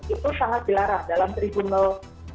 itu sangat jelarah dalam tribunal